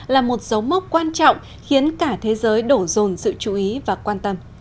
là một dấu mốc quan trọng khiến cả thế giới đổ rồn sự chú ý và quan tâm